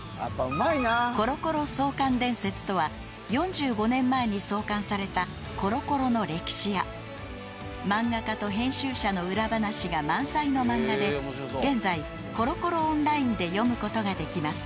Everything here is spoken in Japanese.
［『コロコロ創刊伝説』とは４５年前に創刊された『コロコロ』の歴史や漫画家と編集者の裏話が満載の漫画で現在コロコロオンラインで読むことができます］